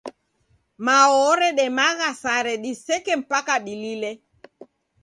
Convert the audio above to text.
Mao oredemagha sare diseke mpaka dilile.